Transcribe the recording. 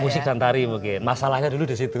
musik dan tari mungkin masalahnya dulu di situ